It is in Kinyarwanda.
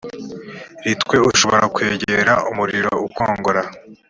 ri twe ushobora kwegera umuriro ukongora